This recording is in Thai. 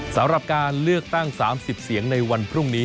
สำหรับการเลือกตั้ง๓๐เสียงในวันพรุ่งนี้